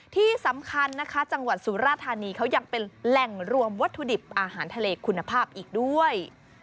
ที่สำคัญนะคะจังหวัดสุราธานีเขายังเป็นแหล่งรวมวัตถุดิบอาหารทะเลคุณภาพอีกด้วย